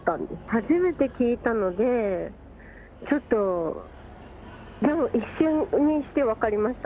初めて聞いたので、ちょっと、でも一瞬にして分かりました。